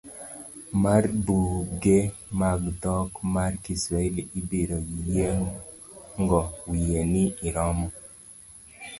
Mar buge mag dhok mar Kiswahili ibiro yiengo wiyi ni iromo.